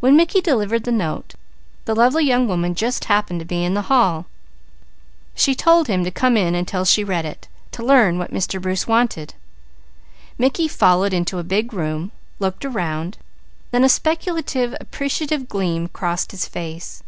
When Mickey delivered the letter the lovely young woman just happened to be in the hall. She told him to come in until she read it, to learn what Mr. Bruce wanted. Mickey followed into a big room, looked around, then a speculative, appreciative gleam crossed his face.